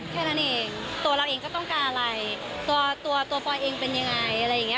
แค่นั้นเองตัวเราเองก็ต้องการอะไรตัวตัวปลอยเองเป็นยังไงอะไรอย่างเงี้